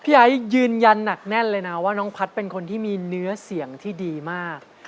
ไอ้ยืนยันหนักแน่นเลยนะว่าน้องพัฒน์เป็นคนที่มีเนื้อเสียงที่ดีมาก